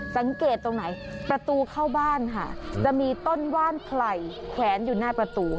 สังเกตตรงไหนประตูเข้าบ้านค่ะจะมีต้นว่านไผล่แขวนอยู่หน้าประตู